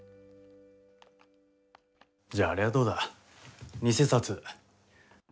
じゃああれはどうだ、偽札。